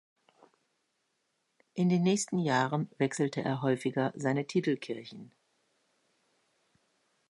In den nächsten Jahren wechselte er häufiger seine Titelkirchen.